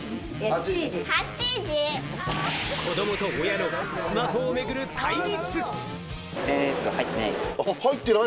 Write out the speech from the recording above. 子供と親のスマホをめぐる対立。